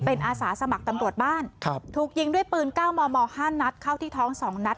เป็นอาสาสมัครตำรวจบ้านถูกยิงด้วยปืน๙มม๕นัดเข้าที่ท้อง๒นัด